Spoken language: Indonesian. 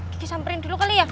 gigi samperin dulu kali ya